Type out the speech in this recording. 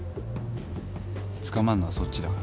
捕まんのはそっちだから。